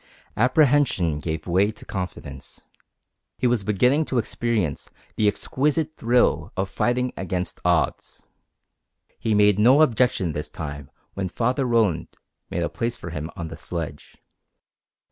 Apprehension gave way to confidence. He was beginning to experience the exquisite thrill of fighting against odds. He made no objection this time when Father Roland made a place for him on the sledge.